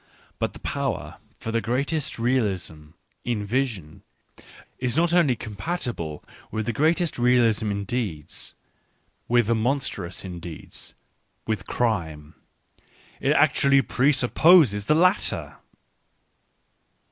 But the power for the greatest realism in vision is not only compatible with the greatest realism in deeds, with the monstrous in deeds, with crime — it actually pre supposes the latter.